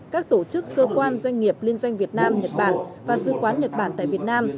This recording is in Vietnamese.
các tổ chức cơ quan doanh nghiệp liên doanh việt nam nhật bản và dư quán nhật bản tại việt nam